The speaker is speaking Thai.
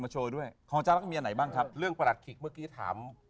โชว์ด้วยของจ๊ะแล้วก็มีอันไหนบ้างครับเรื่องประหลัดขิกเมื่อกี้ถาม